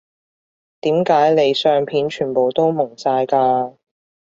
點解你相片全部都矇晒㗎